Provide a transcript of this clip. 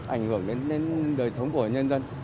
ảnh hưởng đến đời sống của nhân dân